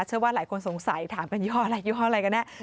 เชื่อว่าหลายคนสงสัยถามเป็นยี่ห้ออะไรยี่ห้ออะไรกันแน่